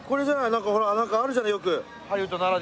何かほらあるじゃないよく。